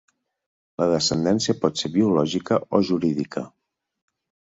La descendència pot ser biològica o jurídica.